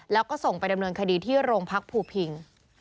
แล้วก็ส่งไปดำเนินคดีที่โรงพักภูพิง